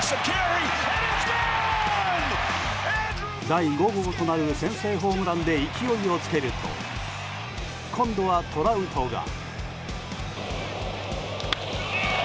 第５号となる先制ホームランで勢いをつけると今度は、トラウトが。